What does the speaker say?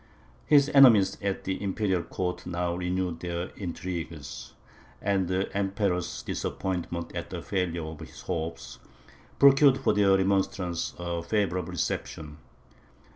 His enemies at the imperial court now renewed their intrigues; and the Emperor's disappointment at the failure of his hopes, procured for their remonstrances a favourable reception.